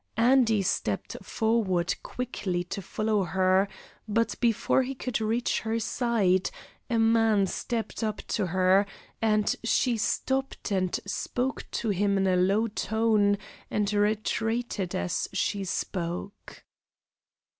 Andy stepped forward quickly to follow her, but before he could reach her side a man stepped up to her, and she stopped and spoke to him in a low tone and retreated as she spoke.